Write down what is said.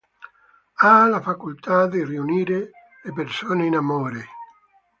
Ha la facoltà di riunire le persone in amore.